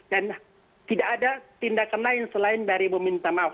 dan tidak ada tindakan lain selain dari meminta maaf